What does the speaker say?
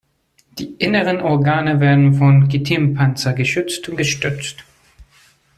Die inneren Organe werden vom Chitinpanzer geschützt und gestützt.